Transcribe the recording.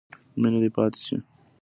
مینه دې پاتې شي.